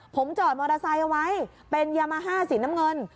ผมจอดมอเตอร์ไซค์เอาไว้เป็นยามาฮ่าสีน้ำเงิน